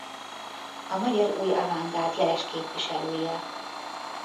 A magyar új avantgárd jeles képviselője.